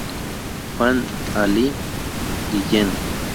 Juan Ali Guillen.